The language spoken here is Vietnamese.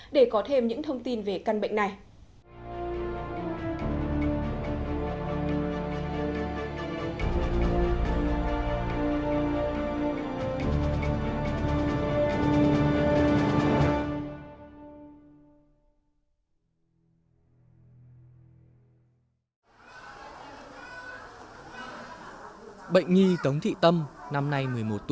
để có thêm những thông tin về căn bệnh này